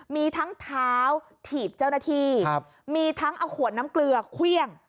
มีทั้งเท้าถีบเจ้าหน้าที่มีทั้งเอาขวดน้ำเกลือเครื่อง